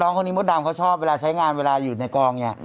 คนนี้มดดำเขาชอบเวลาใช้งานเวลาอยู่ในกองเนี่ย